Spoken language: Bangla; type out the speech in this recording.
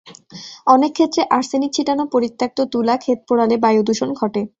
অনেক ক্ষেত্রে আর্সেনিক ছিটানো পরিত্যক্ত তুলা ক্ষেত পোড়ালে বায়ু দূষণ ঘটে।